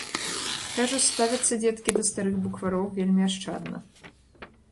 Кажа, ставяцца дзеткі да старых буквароў вельмі ашчадна.